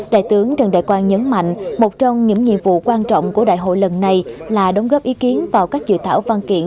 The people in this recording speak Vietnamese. đại tướng trần đại quang nhấn mạnh một trong những nhiệm vụ quan trọng của đại hội lần này là đóng góp ý kiến vào các dự thảo văn kiện